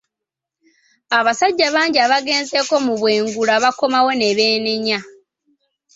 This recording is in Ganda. Abasajja bangi abagenzeko mu bwengula bakomawo ne beenenya.